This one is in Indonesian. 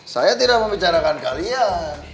saya tidak membicarakan kalian